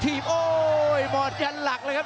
ทีบโอ้มอบกันหลักเลยครับ